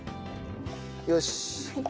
よし。